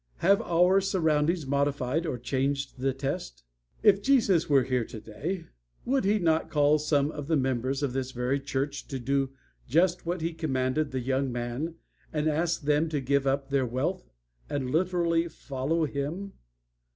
Have our surroundings modified or changed the test? If Jesus were here today would He not call some of the members of this very church to do just what He commanded the young man, and ask them to give up their wealth and literally follow Him?